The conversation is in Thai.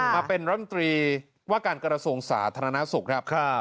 มาเป็นรัฐมนตรีว่าการกระทรวงสาธารณสุขครับ